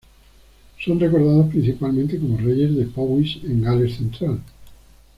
Son recordados principalmente como reyes de Powys en Gales central.